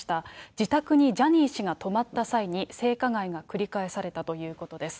自宅にジャニー氏が泊まった際に、性加害が繰り返されたということです。